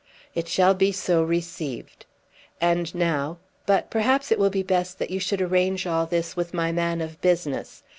"It shall be so received. And now But perhaps it will be best that you should arrange all this with my man of business.